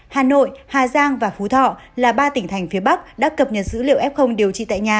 hà nội hà giang và phú thọ là ba tỉnh thành phía bắc đã cập nhật dữ liệu f điều trị tại nhà